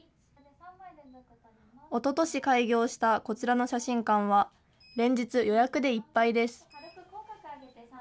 おととし開業した、こちらの写真館は、連日、予約でいっぱいです。